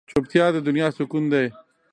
چوپتیا، د دنیا سکون دی.